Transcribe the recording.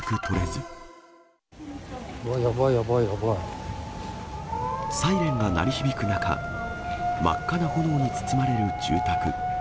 うわ、やばい、やばい、サイレンが鳴り響く中、真っ赤な炎に包まれる住宅。